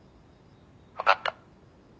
分かった。